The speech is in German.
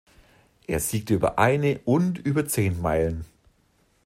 Er siegte über eine und über zehn Meilen.